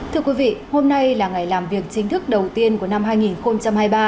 thưa quý vị hôm nay là ngày làm việc chính thức đầu tiên của năm hai nghìn hai mươi ba